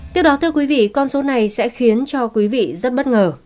tiếp đó thưa quý vị con số này sẽ khiến cho quý vị rất bất ngờ